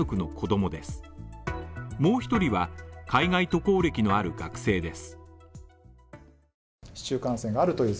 もう１人は海外渡航歴のある学生です。